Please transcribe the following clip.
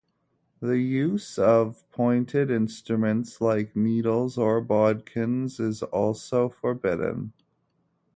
The use of pointed instruments, like needles or bodkins, is also forbidden.